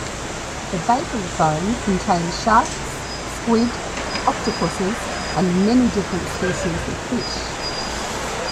The bathyal zone contains sharks, squid, octopuses, and many different species of fish.